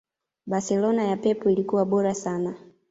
Barcelona ya Pep ilikuwa bora sana